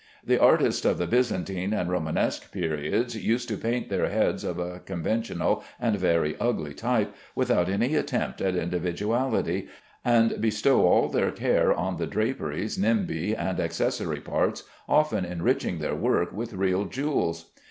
The artists of the Byzantine and Romanesque periods used to paint their heads of a conventional and very ugly type, without any attempt at individuality, and bestow all their care on the draperies, nimbi, and accessory parts, often enriching their work with real jewels.